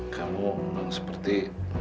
kamu memang seperti